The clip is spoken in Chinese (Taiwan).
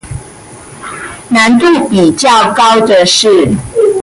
難度比較高的是